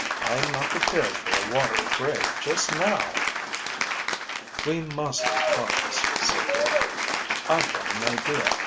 "I am not prepared for a watery grave just now." "We must be cautious," said Dick. "I've got an idea.